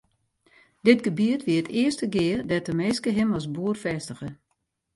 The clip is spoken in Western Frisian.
Dit gebiet wie it earste gea dêr't de minske him as boer fêstige.